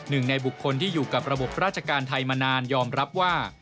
หนึ่งในบุคคลที่อยู่กับระบบราชการไทยมานานยอมรับว่า